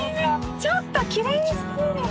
ちょっときれいすぎる！